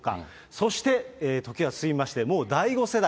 そして時は進みまして、もう第５世代。